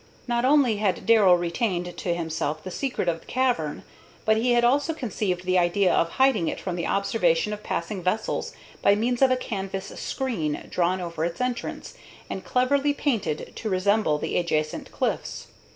Not only had Darrell retained to himself the secret of the cavern, but he had also conceived the idea of hiding it from the observation of passing vessels by means of a canvas screen drawn over its entrance, and cleverly painted to resemble the adjacent cliffs.